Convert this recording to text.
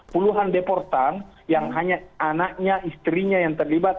puluhan deportan yang hanya anaknya istrinya yang terlibat